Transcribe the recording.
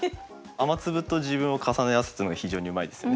雨粒と自分を重ね合わせてるのが非常にうまいですよね。